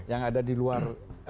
yang ada di luar